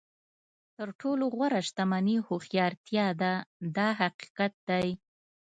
تر ټولو غوره شتمني هوښیارتیا ده دا حقیقت دی.